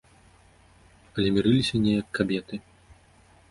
Але мірыліся неяк кабеты.